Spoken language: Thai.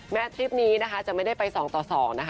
แม่ทริปนี้นะคะจะไม่ได้ไปสองต่อสองนะคะ